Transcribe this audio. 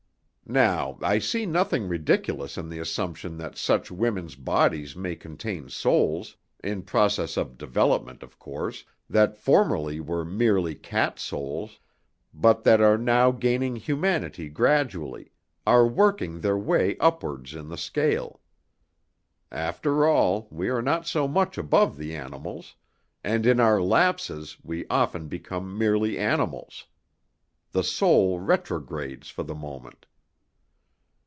Now, I see nothing ridiculous in the assumption that such women's bodies may contain souls in process of development, of course that formerly were merely cat souls, but that are now gaining humanity gradually, are working their way upwards in the scale. After all, we are not so much above the animals, and in our lapses we often become merely animals. The soul retrogrades for the moment."